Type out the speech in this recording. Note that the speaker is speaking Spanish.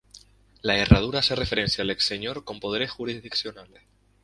La herradura hace referencia al ex-señor con poderes jurisdiccionales.